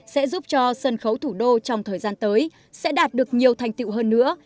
sẽ giúp cho sân khấu thủ đô trong thời gian tới sẽ đạt được nhiều thành tiệu hơn nữa